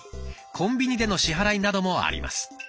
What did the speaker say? コンビニでの支払いなどもあります。